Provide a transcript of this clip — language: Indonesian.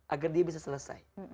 agar dia bisa selesai